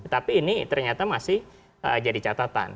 tapi ini ternyata masih jadi catatan